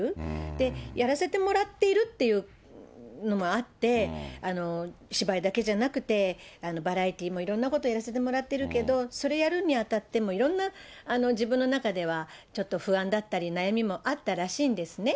で、やらせてもらっているっていうのもあって、芝居だけじゃなくて、バラエティーもいろんなことやらせてもらってるけど、それやるにあたっても、いろんな自分の中ではちょっと不安だったり、悩みもあったらしいんですね。